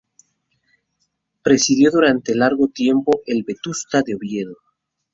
Presidió durante largo tiempo el "Vetusta" de Oviedo.